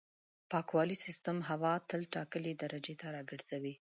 پاکوالي سیستم هوا تل ټاکلې درجې ته راګرځوي.